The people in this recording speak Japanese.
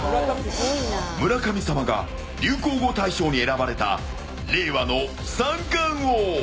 村神様が流行語大賞に選ばれた令和の三冠王。